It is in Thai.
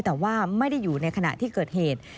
แต่ว่าไม่ได้อยู่ในขณะที่เกิดเหตุ